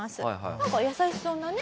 なんか優しそうなね。